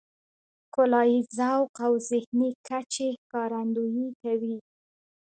ښکلاييز ذوق او ذهني کچې ښکارندويي کوي .